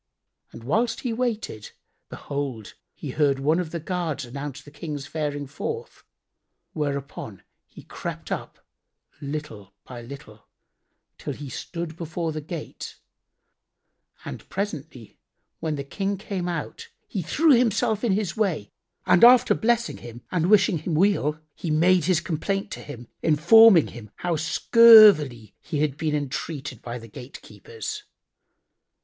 And whilst he waited, behold, he heard one of the guards announce the King's faring forth; whereupon he crept up, little by little, till he stood before the gate; and presently when the King came out, he threw himself in his way and after blessing him and wishing him weal, he made his complaint to him informing him how scurvily he had been entreated by the gatekeepers.